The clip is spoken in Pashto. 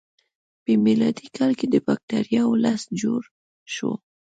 په میلادي کال کې د بکتریاوو لست جوړ شو.